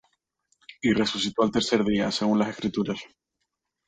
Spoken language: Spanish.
y resucitó al tercer día según las Escrituras,